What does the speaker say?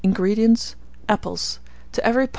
INGREDIENTS. Apples; to every lb.